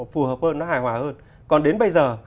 phù hợp hơn nó hài hòa hơn còn đến bây giờ